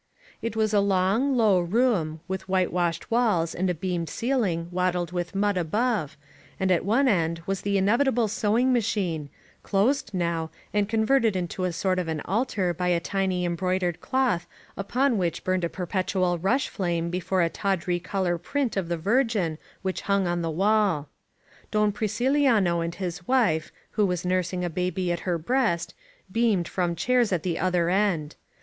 It was a long, low room, with whitewashed walls and a beamed ceiling wattled with mud above, and at one end was the inevitable sewing machine, closed now, and converted into a sort of an altar by a tiny em broidered cloth upon which burned a perpetual rush flame before a tawdry color print of the Virgin which hung on the wall. Don Friciliano and his wife, who was nursing a baby at her breast, beamed from chairs at the other end.